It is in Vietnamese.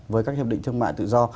với các hiệp định thương mại tự do